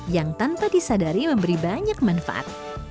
yang tanpa disadari memberi banyak manfaat